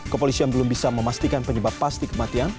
kepolisian belum bisa memastikan penyebab pasti kematian